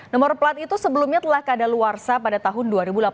nomor plat itu sebelumnya telah kadaluarsa pada tahun dua ribu delapan belas